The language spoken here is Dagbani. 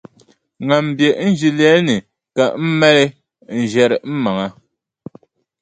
Ŋan be n ʒilɛli ni ka m mali n-ʒiɛri m maŋa.